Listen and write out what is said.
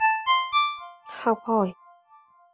học hỏi